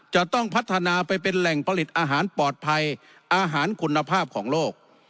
จะต้องพัฒนาไปเป็นแหล่งผลิตอาหารปลอดภัยอาหารคุณภาพของโลก